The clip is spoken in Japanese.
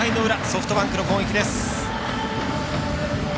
ソフトバンクの攻撃です。